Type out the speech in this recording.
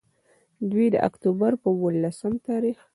دوي د اکتوبر پۀ ولسم تاريخ